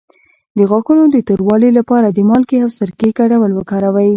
د غاښونو د توروالي لپاره د مالګې او سرکې ګډول وکاروئ